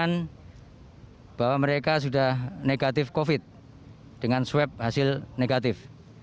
dan bahwa mereka sudah negatif covid dengan swab hasil negatif